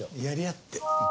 やりあって。